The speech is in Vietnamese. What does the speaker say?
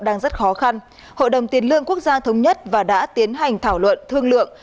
đang rất khó khăn hội đồng tiền lương quốc gia thống nhất và đã tiến hành thảo luận thương lượng